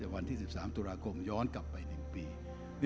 วันที่๑๓ตุรกรมย้อนกลับไปหนึ่งปี